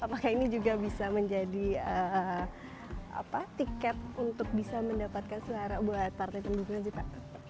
apakah ini juga bisa menjadi tiket untuk bisa mendapatkan selera buat partai pendukung sih pak